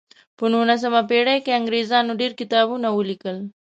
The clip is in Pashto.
په نولسمه پیړۍ کې انګریزانو ډیر کتابونه ولیکل.